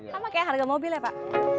sama kayak harga mobil ya pak